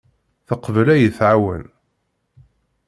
Teqbel ad iyi-tɛawen.